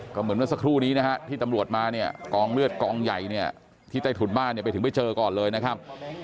ก็เหมือนเมื่อสักครู่นี้นะฮะที่ตำรวจมาเนี่ยกองเลือดกองใหญ่เนี่ยที่ใต้ถุนบ้านเนี่ยไปถึงไปเจอก่อนเลยนะครับ